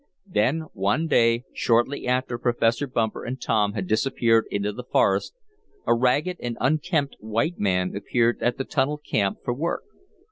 Then one day, shortly after Professor Bumper and Tom had disappeared into the forest, a ragged and unkempt white man applied at the tunnel camp for work.